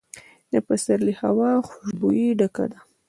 د پسرلي هوا له خوشبویۍ ډکه ده.